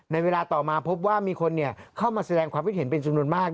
ในเวลาต่อมาพบว่ามีคนเข้ามาแสดงความคิดเห็นเป็นจำนวนมาก